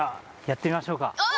お！